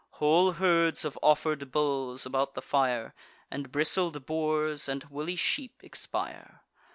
Whole herds of offer'd bulls, about the fire, And bristled boars, and woolly sheep expire.